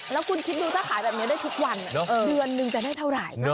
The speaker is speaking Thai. แล้วคุณคิดดูถ้าขายแบบนี้ได้ทุกวันเดือนนึงจะได้เท่าไหร่